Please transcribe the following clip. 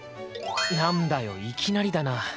なんだよいきなりだな。